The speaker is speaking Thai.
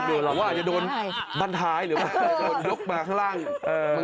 หรือว่าอาจจะโดนบ้านท้ายหรือว่าโดนยกมาข้างล่าง